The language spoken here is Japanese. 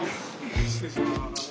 失礼します。